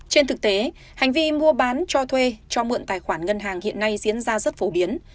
trên thực tế hành vi mua bán cho thuê cho mượn tài khoản ngân hàng hiện nay diễn ra rất phổ biến